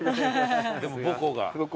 でも母校が。